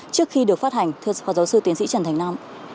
trước khi được phát hành thưa phó giáo sư tiến sĩ trần thành nam